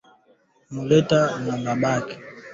Mulete ba Ndeke muri bamba mama yenu aka ujishe mu nsoko